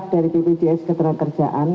dari ppjs ketenagakerjaan